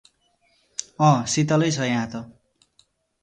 A शीतल नै छ यहाँ त ।